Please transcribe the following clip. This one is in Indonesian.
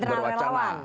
di internal relawan